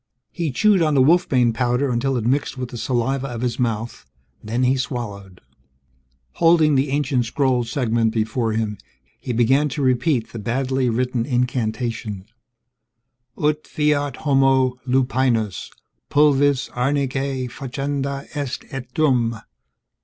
He chewed on the wolfbane powder until it mixed with the saliva of his mouth, then he swallowed. Holding the ancient scroll segment before him, he began to repeat the badly written incantation: _Ut fiat homo lupinus, pulvis arnicae facenda est et dum....